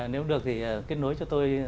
nếu được thì kết nối cho tôi